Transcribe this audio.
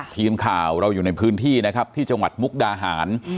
ทีมข่าวเราอยู่ในพื้นที่นะครับที่จังหวัดมุกดาหาร